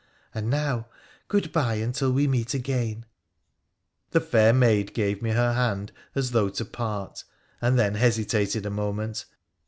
And now, good bye until we meet again !' The fair maid gave me her hand as though to part, and then hesitated a moment.